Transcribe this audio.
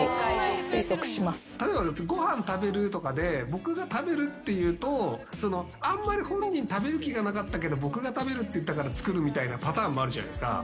僕が食べるっていうとあんまり本人食べる気がなかったけど僕が食べるって言ったから作るみたいなパターンもあるじゃないですか。